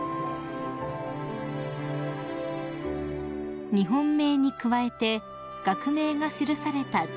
［日本名に加えて学名が記された樹木の名札］